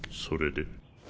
それで？